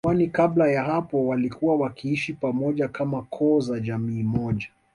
kwani kabla ya hapo walikuwa wakiishi pamoja kama koo za jamii moja